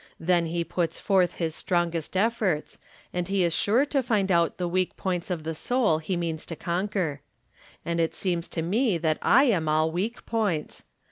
Then he p\its forth his strongest efforts, and he is sure to find out the weak points of the soul he means to conquer. And it seems to me that I am all weak points